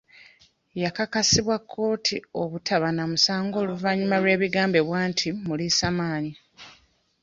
Yakakasibwa kkooti obutaba na musango oluvannyuma lw'ebigambibwa nti muliisamaanyi.